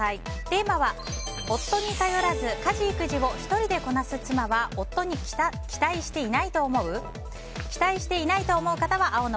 テーマは夫に頼らず家事・育児を１人でこなす妻は夫に期待していないと思う？